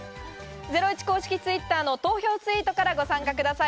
ゼロイチ公式Ｔｗｉｔｔｅｒの投票ツイートからご参加ください。